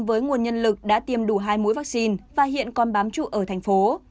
với nguồn nhân lực đã tiêm đủ hai mũi vaccine và hiện còn bám trụ ở thành phố